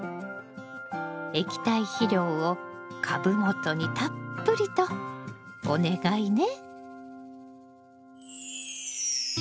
液体肥料を株元にたっぷりとお願いね。